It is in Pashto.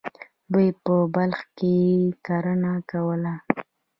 دوی په بلخ کې کرنه کوله.